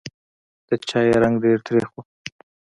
د چای رنګ ډېر تریخ و.